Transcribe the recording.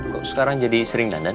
kok sekarang jadi sering dandet